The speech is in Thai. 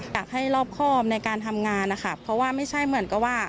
อยากให้รอบครอบในการทำงานนะคะเพราะว่าไม่ใช่เหมือนกับว่า